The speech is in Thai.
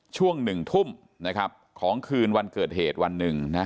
ช่วงหนึ่งทุ่มของคืนวันเกิดเหตุวันหนึ่ง